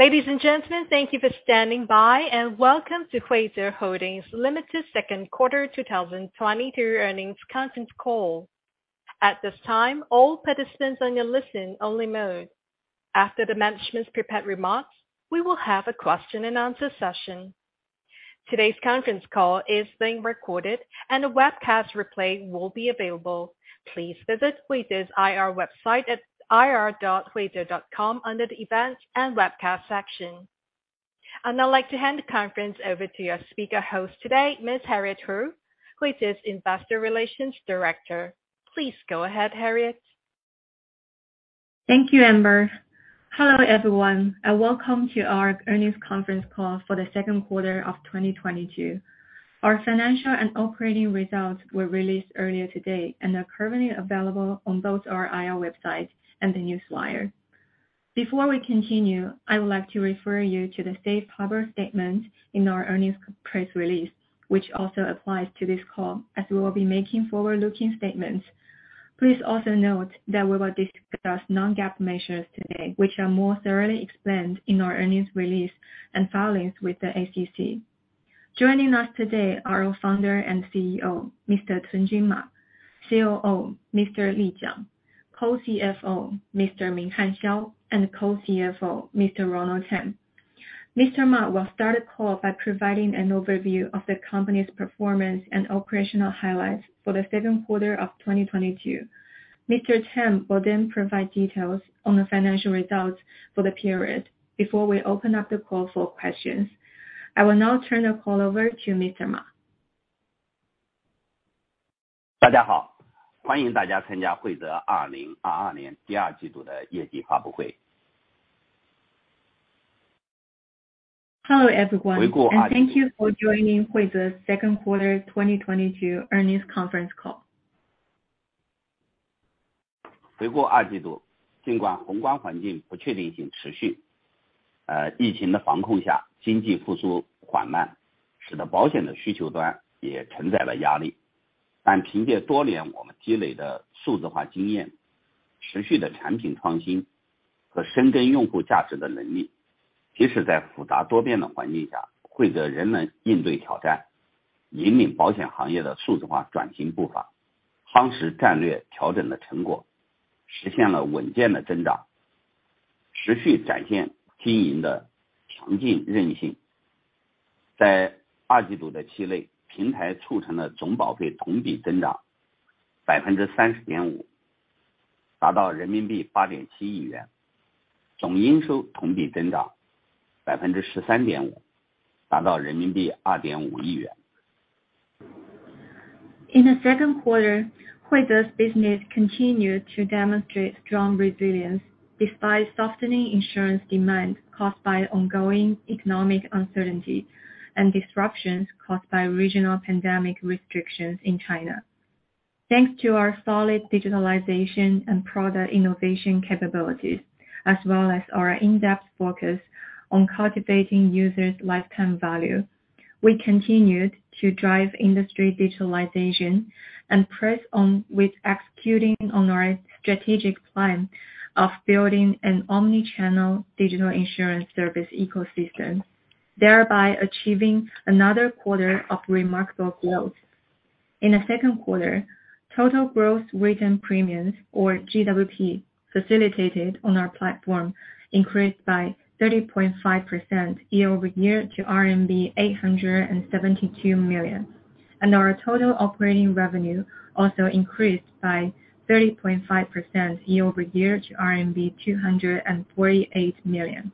Ladies and gentlemen, thank you for standing by, and welcome to Huize Holding Limited second quarter 2023 earnings conference call. At this time, all participants on a listen-only mode. After the management's prepared remarks, we will have a question-and-answer session. Today's conference call is being recorded and a webcast replay will be available. Please visit Huize's IR website at ir.huize.com under the Events and Webcast section. I'd like to hand the conference over to your speaker host today, Ms. Harriet Hu, Huize's Director of Investor Relations. Please go ahead, Harriet. Thank you, Amber. Hello, everyone, and welcome to our earnings conference call for the second quarter of 2022. Our financial and operating results were released earlier today and are currently available on both our IR website and the Newswire. Before we continue, I would like to refer you to the safe harbor statement in our earnings press release, which also applies to this call as we will be making forward-looking statements. Please also note that we will discuss non-GAAP measures today, which are more thoroughly explained in our earnings release and filings with the SEC. Joining us today are our Founder and CEO, Mr. Cunjun Ma, COO, Mr. Li Jiang, Co-CFO, Mr. Min Han Xiao, and Co-CFO, Mr. Rong Tan. Mr. Ma will start the call by providing an overview of the company's performance and operational highlights for the second quarter of 2022. Mr. Teng will then provide details on the financial results for the period before we open up the call for questions. I will now turn the call over to Mr. Cunjun Ma. 大家好，欢迎大家参加慧择二零二二年第二季度的业绩发布会。Hello, everyone. 回顾二季 Thank you for joining Huize second quarter 2022 earnings conference call. In the second quarter, Huize's business continued to demonstrate strong resilience despite softening insurance demand caused by ongoing economic uncertainty and disruptions caused by regional pandemic restrictions in China. Thanks to our solid digitalization and product innovation capabilities, as well as our in-depth focus on cultivating users lifetime value, we continued to drive industry digitalization and press on with executing on our strategic plan of building an omni-channel digital insurance service ecosystem, thereby achieving another quarter of remarkable growth. In the second quarter, total gross written premiums, or GWP, facilitated on our platform increased by 30.5% year-over-year to RMB 872 million, and our total operating revenue also increased by 30.5% year-over-year to CNY 248 million.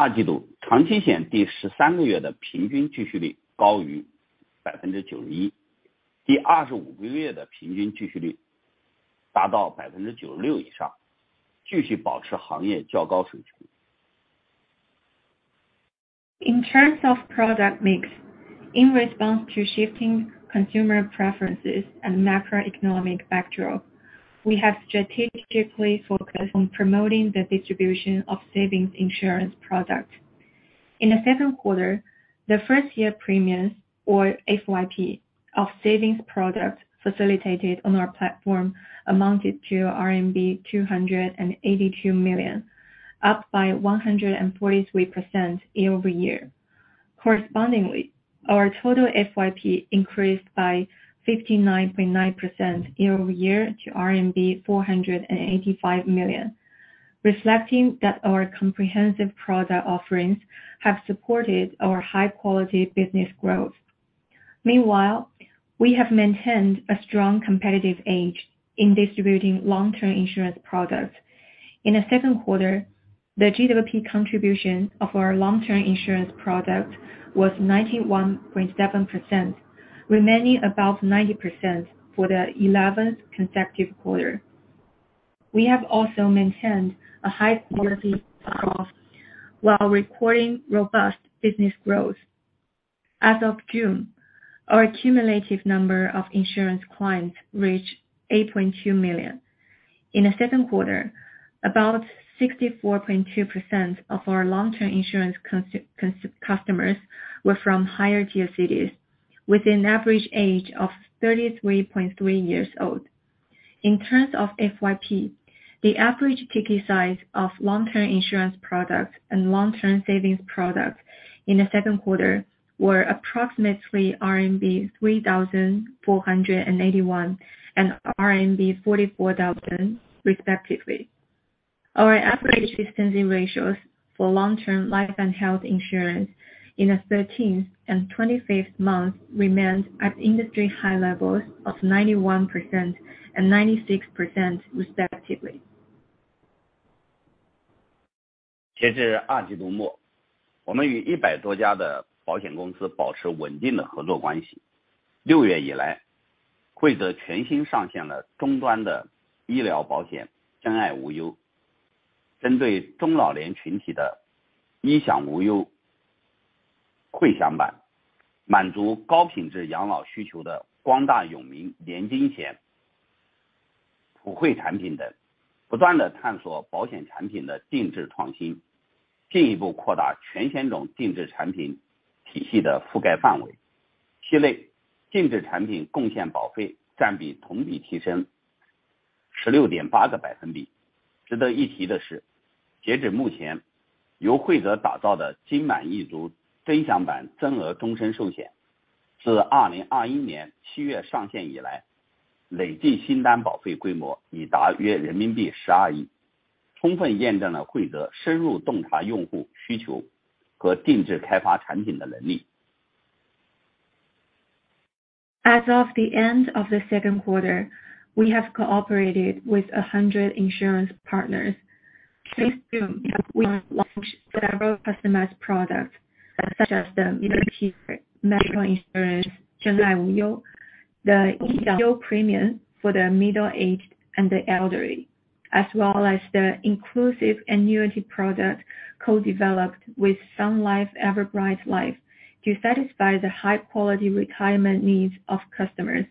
In terms of product mix, in response to shifting consumer preferences and macroeconomic backdrop, we have strategically focused on promoting the distribution of savings insurance products. In the second quarter, the first year premiums or FYP of savings products facilitated on our platform amounted to RMB 282 million, up by 143% year-over-year. Correspondingly, our total FYP increased by 59.9% year-over-year to RMB 485 million, reflecting that our comprehensive product offerings have supported our high quality business growth. Meanwhile, we have maintained a strong competitive edge in distributing long-term insurance products. In the second quarter, the GWP contribution of our long-term insurance product was 91.7%, remaining above 90% for the eleventh consecutive quarter. We have also maintained a high quality cost while recording robust business growth. As of June, our cumulative number of insurance clients reached 8.2 million. In the second quarter, about 64.2% of our long-term insurance customers were from higher tier cities with an average age of 33.3 years old. In terms of FYP, the average ticket size of long term insurance products and long-term savings products in the second quarter were approximately RMB 3,481 and RMB 44,000 respectively. Our average persistency ratios for long-term life and health insurance in the 13th and 25th month remained at industry high levels of 91% and 96% respectively. As of the end of the second quarter, we have cooperated with 100 insurance partners. Since June, we have launched several customized products such as the medical insurance, Sheng'ai Wu You, the premium for the middle-aged and the elderly, as well as the inclusive annuity product co-developed with Sun Life Everbright Life to satisfy the high quality retirement needs of customers.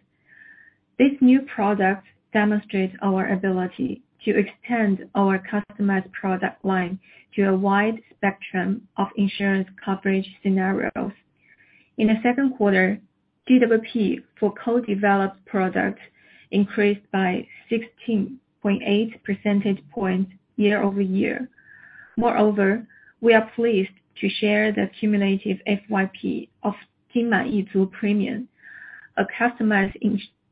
This new product demonstrates our ability to extend our customized product line to a wide spectrum of insurance coverage scenarios. In the second quarter, GWP for co-developed products increased by 16.8 percentage points year-over-year. Moreover, we are pleased to share the cumulative FYP of Jinmai Yizu premium, a customized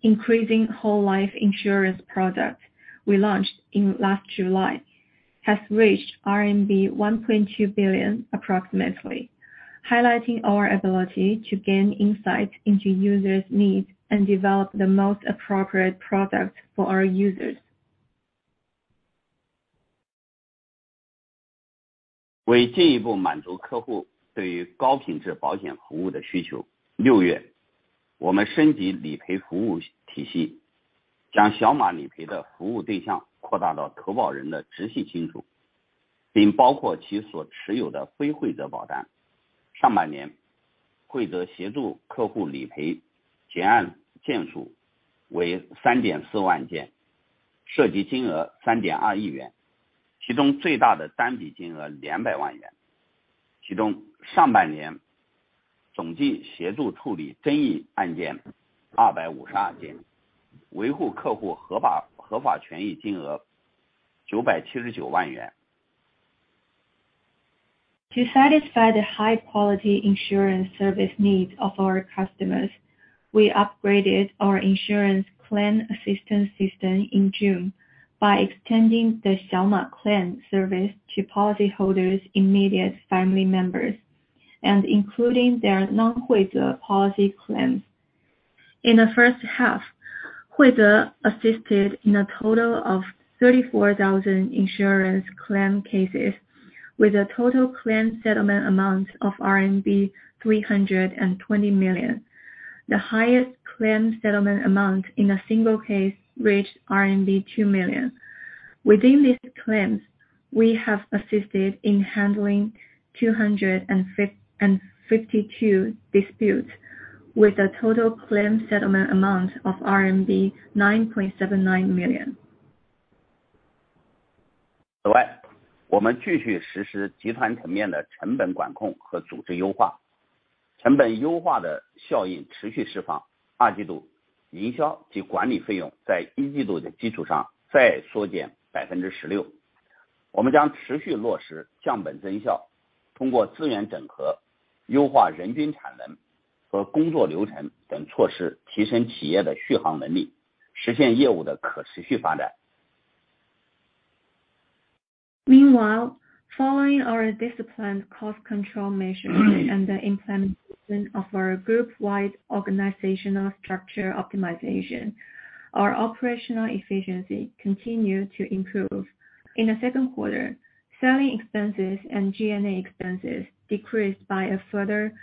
increasing whole life insurance product we launched in last July, has reached RMB 1.2 billion approximately, highlighting our ability to gain insight into users' needs and develop the most appropriate product for our users. To satisfy the high quality insurance service needs of our customers, we upgraded our insurance claim assistance system in June by extending the Xiaoma Claim service to policyholders' immediate family members and including their non-Huize policy claims. In the first half, Huize assisted in a total of 34,000 insurance claim cases with a total claim settlement amount of RMB 320 million. The highest claim settlement amount in a single case reached RMB 2 million. Within these claims, we have assisted in handling 252 disputes with a total claim settlement amount of CNY 9.79 million. Meanwhile, following our disciplined cost control measures and the implementation of our group-wide organizational structure optimization, our operational efficiency continued to improve. In the second quarter, selling expenses and G&A expenses decreased by a further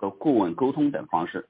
sequentially.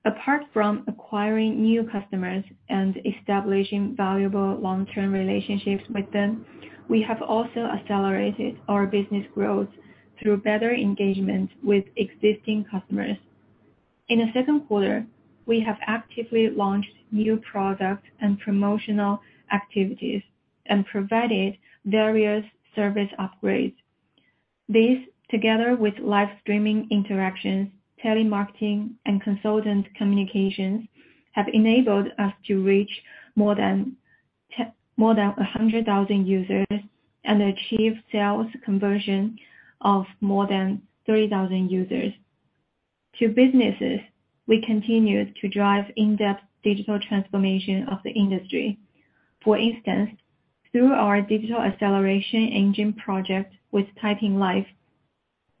Going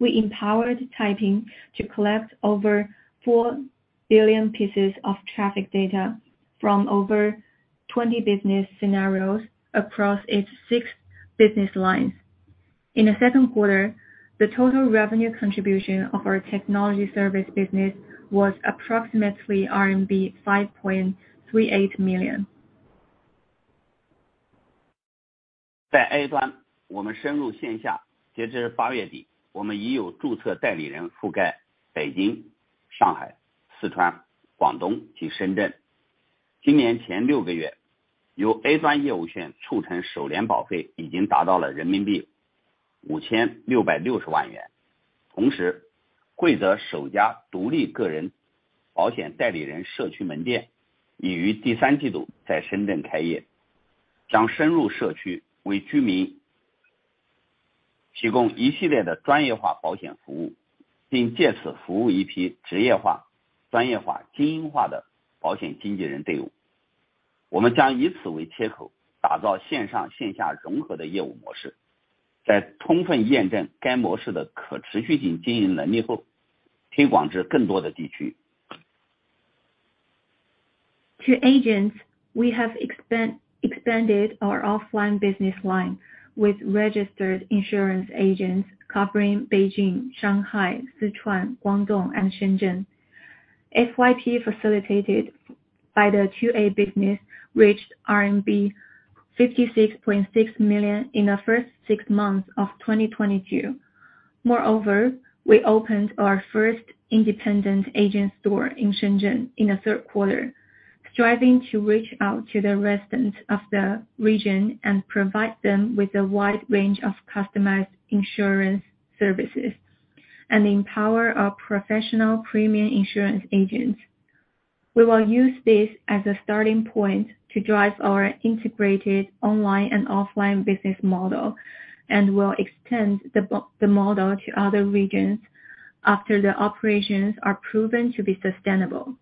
forward, we will continue to reduce our fixed cost base to improve operational efficiency and achieve sustainable business development through resource integration and the optimization of staff productivity and workflow. To agents, we have expanded our offline business line with registered insurance agents covering Beijing, Shanghai, Sichuan, Guangdong, and Shenzhen. FYP facilitated by the 2A business reached RMB 56.6 million in the first six months of 2022. Moreover, we opened our first independent agent store in Shenzhen in the third quarter, striving to reach out to the residents of the region and provide them with a wide range of customized insurance services and empower our professional premium insurance agents. We will use this as a starting point to drive our integrated online and offline business model, and we'll extend the model to other regions after the operations are proven to be sustainable.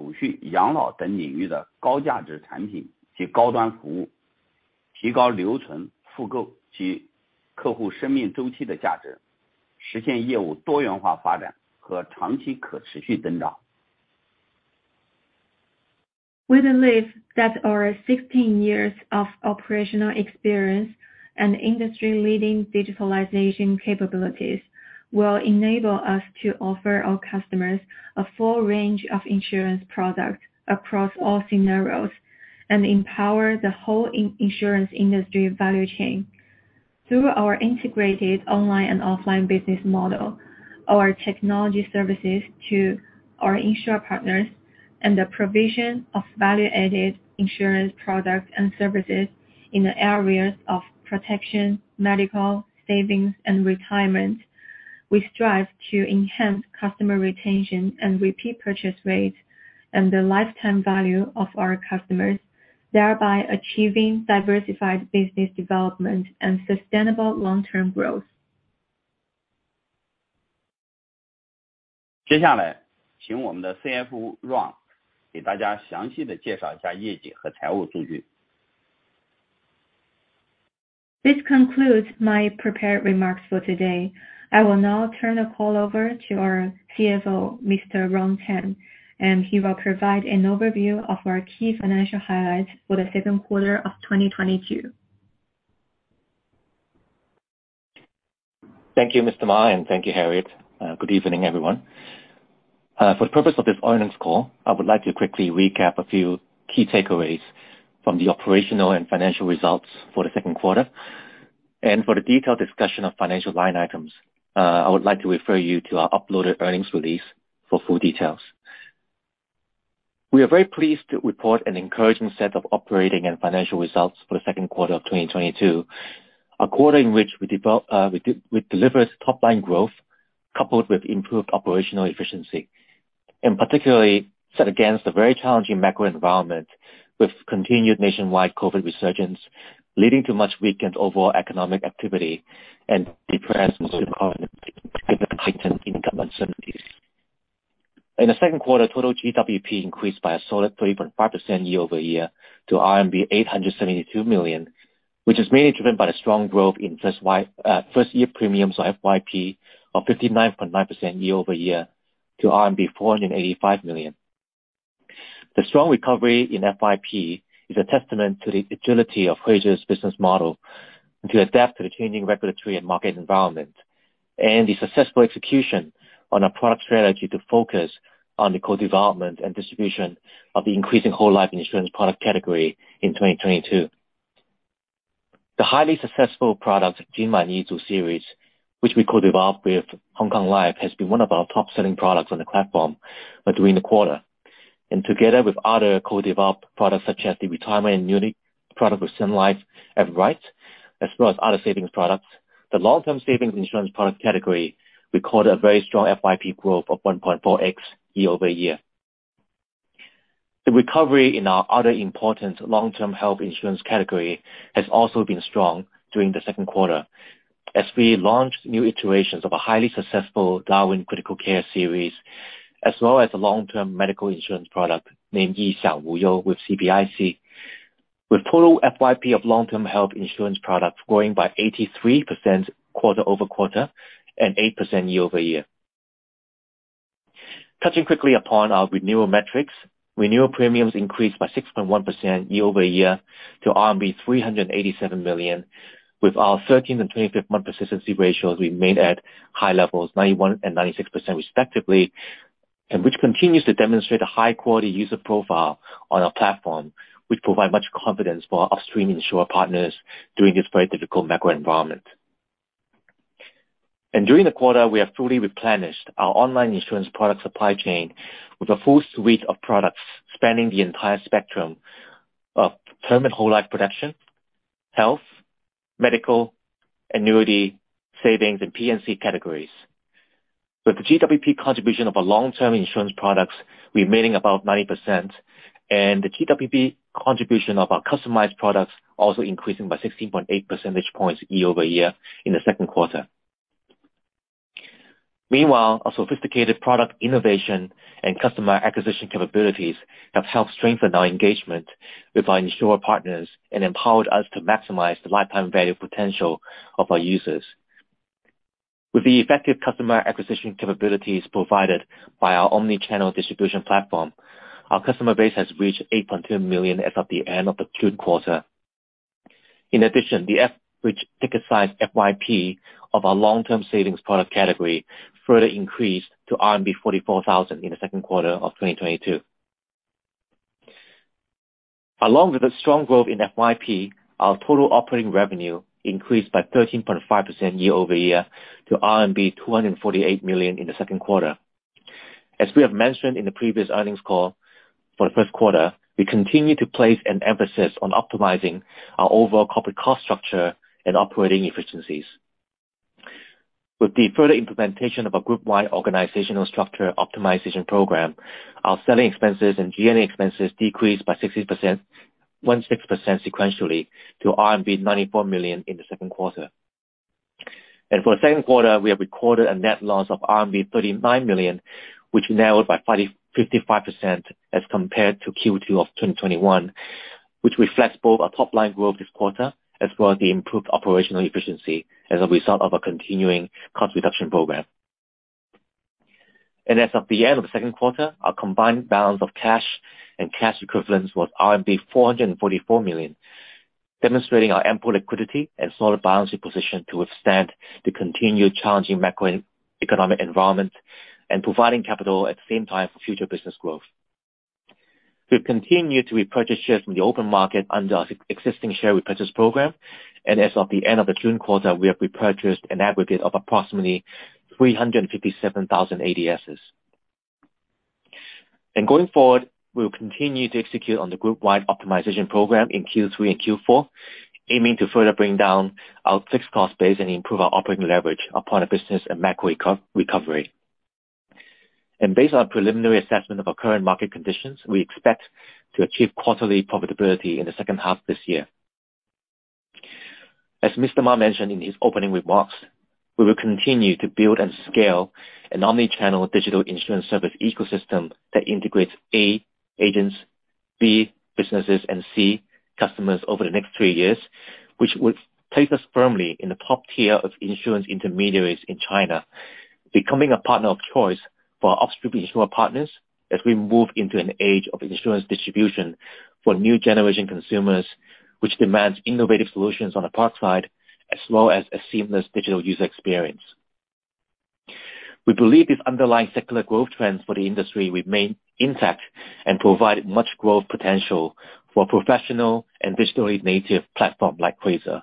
We believe that our 16 years of operational experience and industry-leading digitalization capabilities will enable us to offer our customers a full range of insurance products across all scenarios and empower the whole insurance industry value chain. Through our integrated online and offline business model, our technology services to our insurer partners and the provision of value-added insurance products and services in the areas of protection, medical, savings and retirement. We strive to enhance customer retention and repeat purchase rates and the lifetime value of our customers, thereby achieving diversified business development and sustainable long-term growth. This concludes my prepared remarks for today. I will now turn the call over to our CFO, Mr. Rong Tan, and he will provide an overview of our key financial highlights for the second quarter of 2022. Thank you, Mr. Ma, and thank you, Harriet. Good evening, everyone. For the purpose of this earnings call, I would like to quickly recap a few key takeaways from the operational and financial results for the second quarter and for the detailed discussion of financial line items, I would like to refer you to our uploaded earnings release for full details. We are very pleased to report an encouraging set of operating and financial results for the second quarter of 2022. A quarter in which we delivered top-line growth coupled with improved operational efficiency and particularly set against a very challenging macro environment with continued nationwide COVID resurgence, leading to much weakened overall economic activity and depressed consumer confidence heightened income uncertainties. In the second quarter, total GWP increased by a solid 30.5% year-over-year to RMB 872 million, which is mainly driven by the strong growth in first year premiums, or FYP, of 59.9% year-over-year to RMB 485 million. The strong recovery in FYP is a testament to the agility of Huize's business model to adapt to the changing regulatory and market environment and the successful execution on our product strategy to focus on the co-development and distribution of the increasing whole life insurance product category in 2022. The highly successful product Jinmai Yizu series, which we co-developed with Hong Kong Life, has been one of our top-selling products on the platform during the quarter, and together with other co-developed products such as the Retirement Annuity product with Sun Life, as well as other savings products. The long-term savings insurance product category recorded a very strong FYP growth of 1.4x year-over-year. The recovery in our other important long-term health insurance category has also been strong during the second quarter as we launched new iterations of a highly successful Darwin Critical Care series, as well as a long-term medical insurance product named Yi Xiang Wu You with CPIC, with total FYP of long-term health insurance products growing by 83% quarter-over-quarter and 8% year-over-year. Touching quickly upon our renewal metrics. Renewal premiums increased by 6.1% year-over-year to RMB 387 million, with our 13th and 25th month persistency ratios remained at high levels, 91% and 96% respectively, and which continues to demonstrate a high quality user profile on our platform, which provide much confidence for our upstream insurer partners during this very difficult macro environment. During the quarter, we have fully replenished our online insurance product supply chain with a full suite of products spanning the entire spectrum of permanent whole life products, health, medical, annuity, savings, and P&C categories. With the GWP contribution of our long-term insurance products remaining about 90% and the GWP contribution of our customized products also increasing by 16.8 percentage points year-over-year in the second quarter. Meanwhile, our sophisticated product innovation and customer acquisition capabilities have helped strengthen our engagement with our insurer partners and empowered us to maximize the lifetime value potential of our users. With the effective customer acquisition capabilities provided by our omni-channel distribution platform, our customer base has reached 8.2 million as of the end of the third quarter. In addition, the average ticket size, FYP, of our long term savings product category further increased to RMB 44,000 in the second quarter of 2022. Along with the strong growth in FYP, our total operating revenue increased by 13.5% year-over-year to RMB 248 million in the second quarter. As we have mentioned in the previous earnings call for the first quarter, we continue to place an emphasis on optimizing our overall corporate cost structure and operating efficiencies. With the further implementation of a group-wide organizational structure optimization program, our selling expenses and G&A expenses decreased by 16% sequentially to RMB 94 million in the second quarter. For the second quarter, we have recorded a net loss of RMB 39 million, which narrowed by 55% as compared to Q2 of 2021, which reflects both our top-line growth this quarter, as well as the improved operational efficiency as a result of our continuing cost reduction program. As of the end of the second quarter, our combined balance of cash and cash equivalents was RMB 444 million, demonstrating our ample liquidity and solid balance sheet position to withstand the continued challenging macroeconomic environment and providing capital at the same time for future business growth. We've continued to repurchase shares from the open market under our existing share repurchase program, and as of the end of the June quarter, we have repurchased an aggregate of approximately 357,000 ADSs. Going forward, we'll continue to execute on the group-wide optimization program in Q3 and Q4, aiming to further bring down our fixed cost base and improve our operating leverage upon the business and macroeconomic recovery. Based on our preliminary assessment of our current market conditions, we expect to achieve quarterly profitability in the second half this year. As Mr. Ma mentioned in his opening remarks, we will continue to build and scale an omni-channel digital insurance service ecosystem that integrates A, agents; B, businesses; and C; customers over the next three years, which would place us firmly in the top tier of insurance intermediaries in China, becoming a partner of choice for our upstream insurance partners as we move into an age of insurance distribution for new generation consumers, which demands innovative solutions on the product side as well as a seamless digital user experience. We believe these underlying secular growth trends for the industry remain intact and provide much growth potential for professional and digitally native platform like Quasar,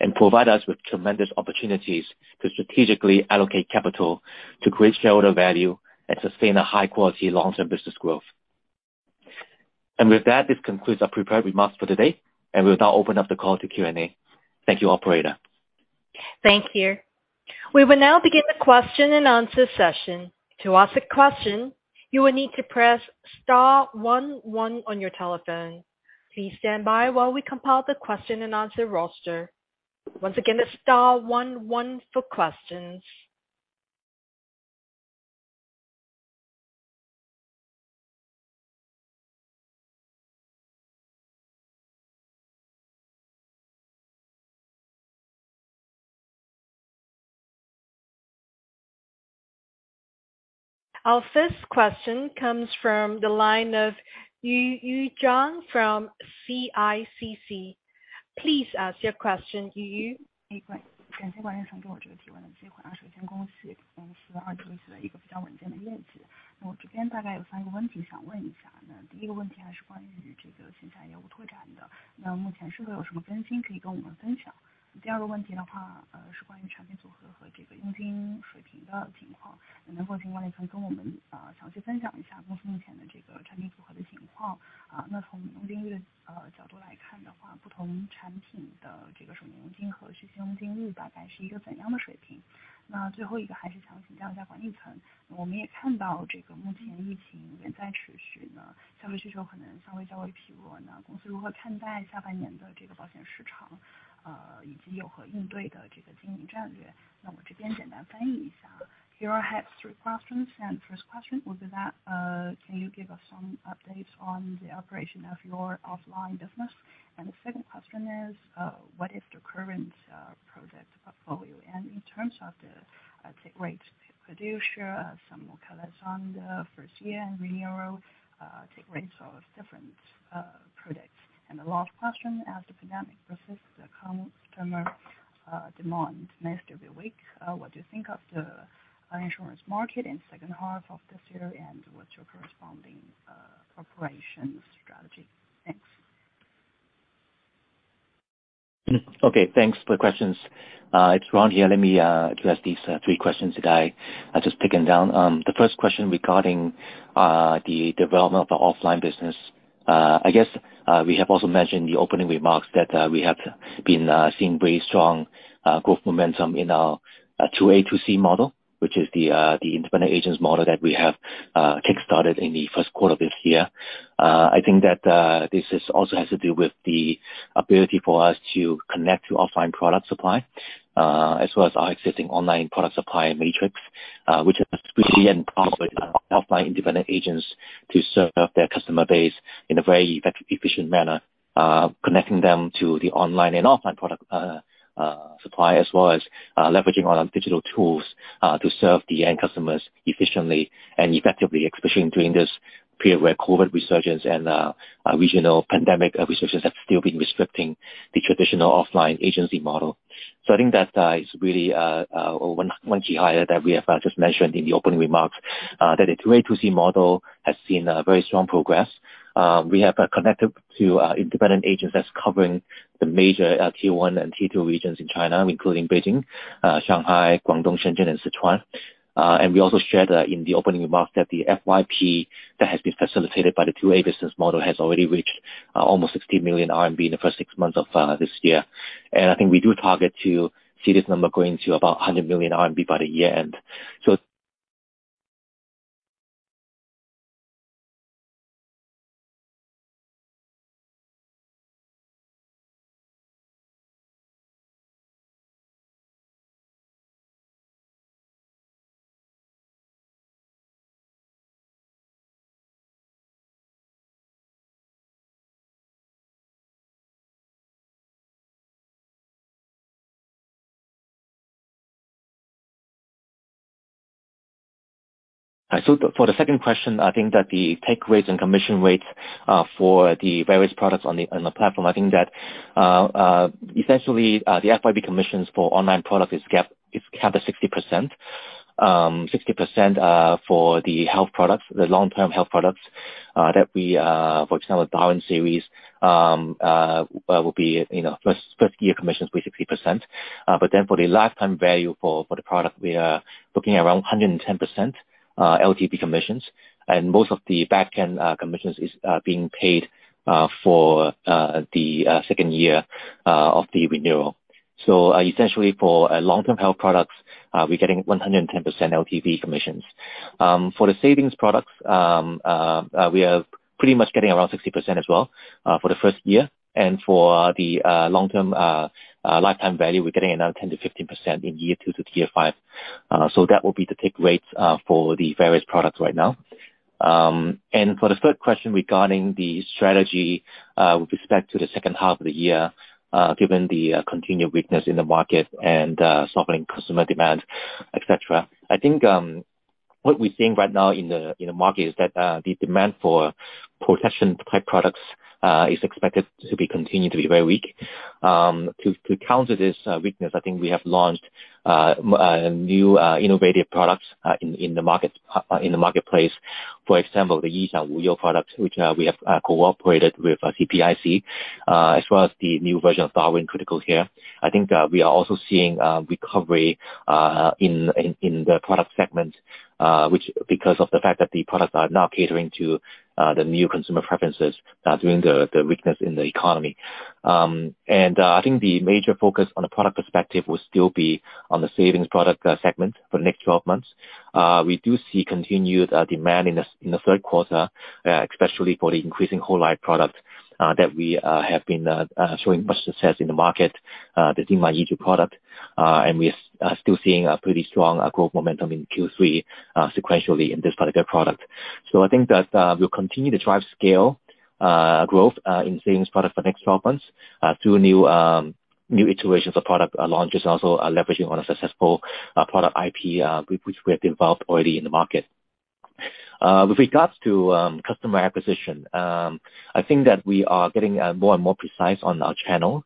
and provide us with tremendous opportunities to strategically allocate capital to create shareholder value and sustain a high quality long-term business growth. With that, this concludes our prepared remarks for today, and we'll now open up the call to Q&A. Thank you, operator. Thank you. We will now begin the question and answer session. To ask a question, you will need to press star one one on your telephone. Please stand by while we compile the question and answer roster. Once again, it's star one one for questions. Our first question comes from the line of Yu Yu Zhang from CICC. Please ask your question, Yu Yu. Okay, thanks for the questions. It's Rong here. Let me address these three questions today. I'll just take them down. The first question regarding the development of our offline business. I guess we have also mentioned in the opening remarks that we have been seeing very strong growth momentum in our 2A2C model, which is the independent agents model that we have kick-started in the first quarter of this year. I think that this also has to do with the ability for us to connect to offline product supply, as well as our existing online product supply matrix, which is really helps our independent agents to serve their customer base in a very effective, efficient manner, connecting them to the online and offline product supply, as well as leveraging on our digital tools to serve the end customers efficiently and effectively, especially during this period where COVID resurgence and regional pandemic resurgences have still been restricting the traditional offline agency model. I think that is really one key highlight that we have just mentioned in the opening remarks, that the 2A2C model has seen very strong progress. We have connected to independent agents that's covering the major tier one and tier two regions in China, including Beijing, Shanghai, Guangdong, Shenzhen, and Sichuan. We also shared in the opening remarks that the FYP that has been facilitated by the 2A business model has already reached almost 60 million RMB in the first six months of this year. I think we do target to see this number going to about 100 million RMB by the year end. For the second question, I think that the take rates and commission rates for the various products on the platform, I think that essentially the FYP commissions for online products is capped at 60%. 60% for the health products, the long-term health products, that we, for example, the Baoan series, will be, you know, first year commissions will be 60%. For the lifetime value for the product, we are looking at around 110% LTV commissions. Most of the backend commissions is being paid for the second year of the renewal. Essentially for long-term health products, we're getting 110% LTV commissions. For the savings products, we are pretty much getting around 60% as well for the first year. For the long-term lifetime value, we're getting another 10%-15% in year two to year five. That will be the take rates for the various products right now. For the third question regarding the strategy with respect to the second half of the year, given the continued weakness in the market and softening customer demand, et cetera. I think what we're seeing right now in the market is that the demand for protection-type products is expected to be continued to be very weak. To counter this weakness, I think we have launched new innovative products in the market in the marketplace. For example, the Yi Xiang Wu You product, which we have cooperated with CPIC, as well as the new version of Baoan Critical Care. I think we are also seeing recovery in the product segment, which is because of the fact that the products are now catering to the new consumer preferences during the weakness in the economy. I think the major focus on a product perspective will still be on the savings product segment for the next 12 months. We do see continued demand in the third quarter, especially for the increasing whole life product that we have been showing much success in the market, the Jinmai Yizu product. We are still seeing a pretty strong growth momentum in Q3 sequentially in this particular product. I think that we'll continue to drive scale growth in savings products for the next 12 months through new iterations of product launches, also leveraging on a successful product IP which we have developed already in the market. With regards to customer acquisition, I think that we are getting more and more precise on our channel,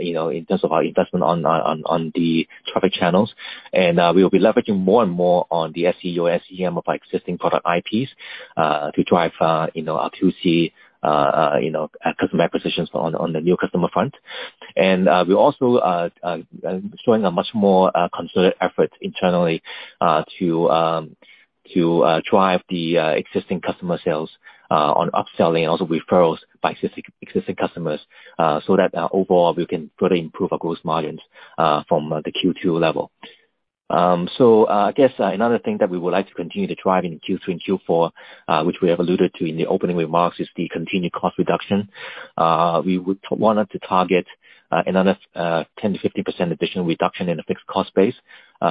you know, in terms of our investment on the traffic channels. We will be leveraging more and more on the SEO and SEM of our existing product IPs to drive, you know, our 2C customer acquisitions on the new customer front. We're also showing a much more concerted effort internally to drive the existing customer sales on upselling, also referrals by existing customers, so that overall, we can further improve our growth margins from the Q2 level. I guess another thing that we would like to continue to drive in Q3 and Q4, which we have alluded to in the opening remarks, is the continued cost reduction. We would want to target another 10%-15% additional reduction in the fixed cost base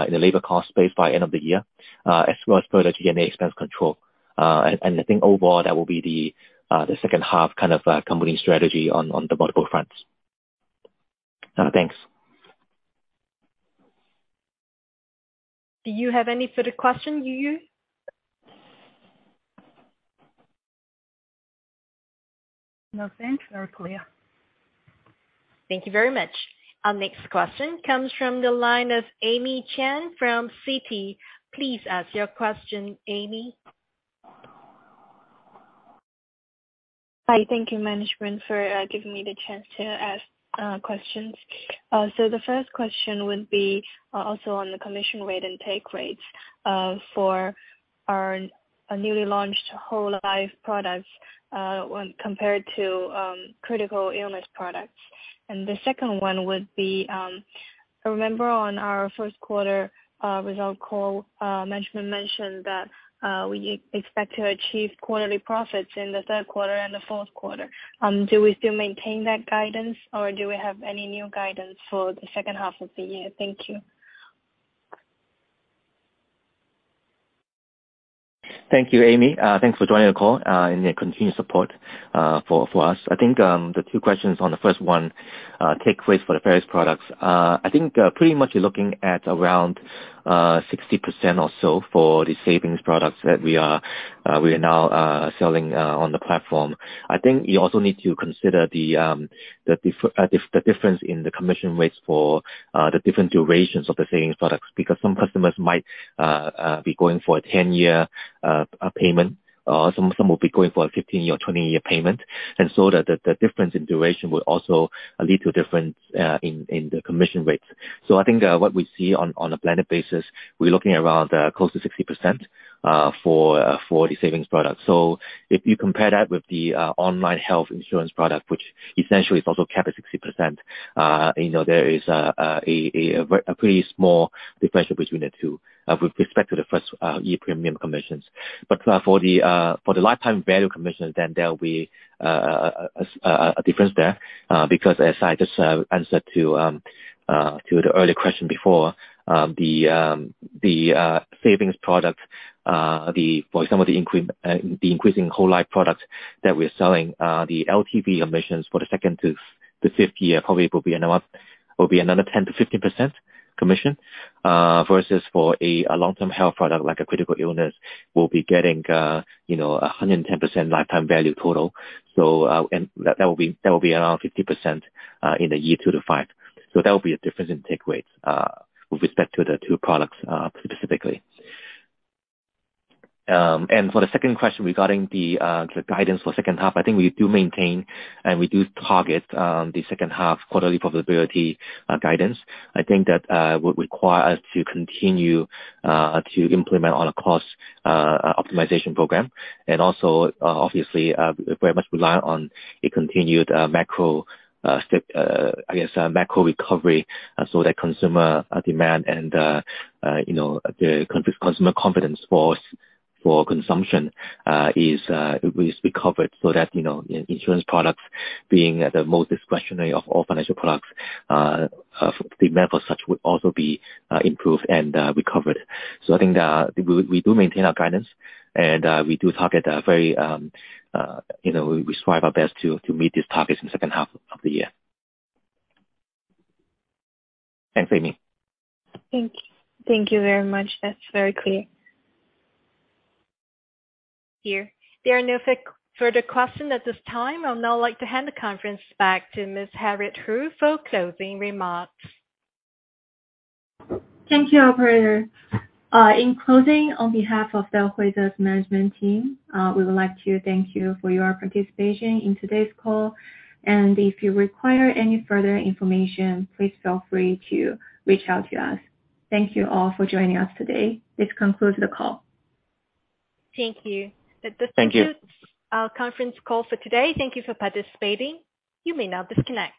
in the labor cost base by end of the year, as well as further G&A expense control. I think overall that will be the second half kind of company strategy on the multiple fronts. Thanks. Do you have any further question, Yu Yu? No, thanks. Very clear. Thank you very much. Our next question comes from the line of Amy Chen from Citi. Please ask your question, Amy. Hi. Thank you, management, for giving me the chance to ask questions. The first question would be also on the commission rate and take rates for our newly launched whole life products when compared to critical illness products. The second one would be, I remember on our first quarter result call, management mentioned that we expect to achieve quarterly profits in the third quarter and the fourth quarter. Do we still maintain that guidance, or do we have any new guidance for the second half of the year? Thank you. Thank you, Amy. Thanks for joining the call, and your continued support for us. I think the two questions on the first one take rates for the various products. I think pretty much you're looking at around 60% or so for the savings products that we are now selling on the platform. I think you also need to consider the difference in the commission rates for the different durations of the savings products. Because some customers might be going for a 10-year payment, some will be going for a 15-year, 20-year payment. The difference in duration will also lead to a difference in the commission rates. I think what we see on a blended basis, we're looking around close to 60% for the savings product. If you compare that with the online health insurance product, which essentially is also capped at 60%, you know, there is a pretty small difference between the two with respect to the first-year premium commissions. But for the lifetime value commissions, then there'll be a difference there, because as I just answered to the earlier question before, the savings product, the For some of the increasing whole life products that we're selling, the LTV commissions for the second to fifth year probably will be another 10%-15% commission. Versus for a long-term health product like a critical illness, we'll be getting, you know, 110% lifetime value total. That will be around 50% in the year two to year five. That will be a difference in take rates with respect to the two products specifically. For the second question regarding the guidance for second half, I think we do maintain and we do target the second half quarterly profitability guidance. I think that would require us to continue to implement a cost optimization program. Also, obviously, we very much rely on a continued macro recovery so that consumer demand and, you know, the consumer confidence for consumption is recovered so that, you know, insurance products being the most discretionary of all financial products, demand for such would also be improved and recovered. I think we do maintain our guidance, and we do target a very, you know, we strive our best to meet these targets in the second half of the year. Thanks, Amy. Thank you very much. That's very clear. There are no further questions at this time. I'd now like to hand the conference back to Ms. Harriet Hu for closing remarks. Thank you, operator. In closing, on behalf of Huize's management team, we would like to thank you for your participation in today's call. If you require any further information, please feel free to reach out to us. Thank you all for joining us today. This concludes the call. Thank you. Thank you. This concludes our conference call for today. Thank you for participating. You may now disconnect.